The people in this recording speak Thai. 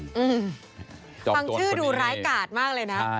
จอมโจงอันนี้ของข้างชื่อดูร้ายกาดมากเลยนะ